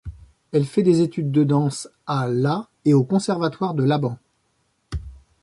Elle fait des études de danse à la et au conservatoire de Laban.